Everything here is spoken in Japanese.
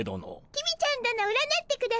公ちゃん殿占ってくだされ。